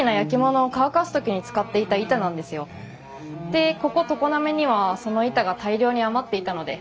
でここ常滑にはその板が大量に余っていたので。